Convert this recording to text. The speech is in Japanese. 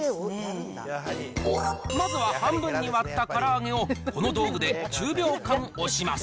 まずは半分に割ったから揚げをこの道具で１０秒間押します。